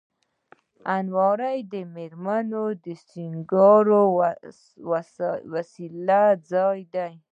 الماري د مېرمنو د سینګار وسیلو ځای وي